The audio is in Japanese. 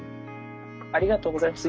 ありがとうございます。